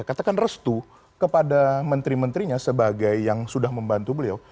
katakan restu kepada menteri menterinya sebagai yang sudah membantu beliau